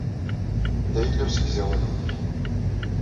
Anda yella usegzawal-nnek?